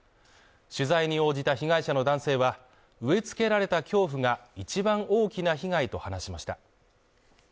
取材に応じた被害者の男性は、植え付けられた恐怖が一番大きな被害と話しました。